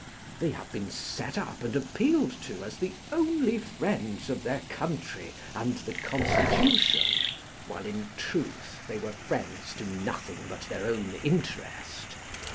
They have been set up and appealed to as the only friends of their country and the Constitution, while in truth they were friends to nothing but their own interest.